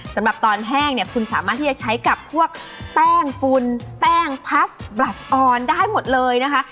สำหรับตอนแห้งเนี่ยคุณสามารถที่จะใช้กับพวกแป้งฟุนแป้งพับบลัชออนได้หมดเลยนะคะ